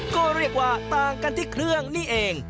ก็เรียกว่าต่างกันที่เครื่องนี่เอง